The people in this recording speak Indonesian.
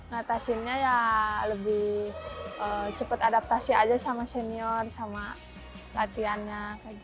ngatasinnya ya lebih cepat adaptasi aja sama senior sama latihannya